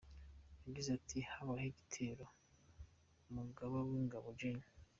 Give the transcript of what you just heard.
Yagize Ati” Habayeho igitero ku mugaba w’ingabo Gen.